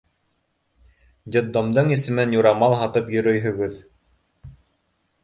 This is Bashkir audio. Детдомдың исемен юрамал һатып йөрөйһөгөҙ.